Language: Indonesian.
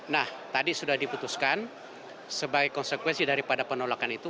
nah tadi sudah diputuskan sebagai konsekuensi daripada penolakan itu